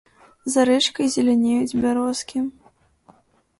За рэчкай зелянеюць бярозкі.